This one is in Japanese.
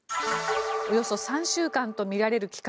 およそ３週間とみられる期間。